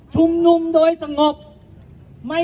สวัสดีครับ